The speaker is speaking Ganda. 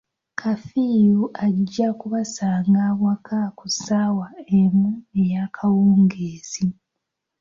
Kafiyu ajja kubasanga waka ku ssaawa emu eyaakawungeezi.